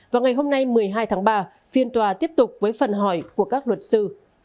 vào ngày hôm nay một mươi hai tháng ba phiên tòa tiếp tục với phần hỏi của các luật sư